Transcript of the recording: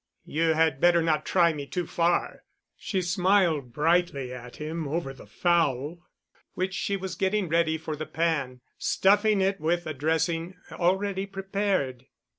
"You had better not try me too far." She smiled brightly at him over the fowl which she was getting ready for the pan, stuffing it with a dressing already prepared.